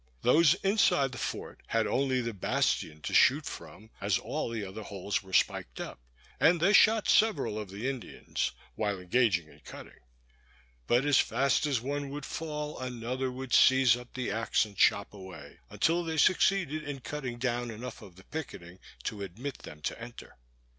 Those inside the fort had only the bastion to shoot from, as all the other holes were spiked up; and they shot several of the Indians, while engaged in cutting. But as fast as one would fall, another would seize up the axe and chop away, until they succeeded in cutting down enough of the picketing to admit them to enter.